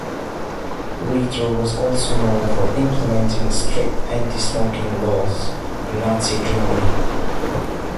Reiter was also known for implementing strict anti-smoking laws in Nazi Germany.